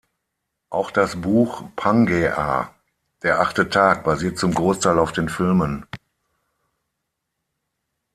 Auch das Buch "Pangäa- Der Achte Tag" basiert zum Großteil auf den Filmen.